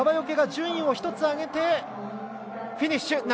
順位を１つ上げてフィニッシュ。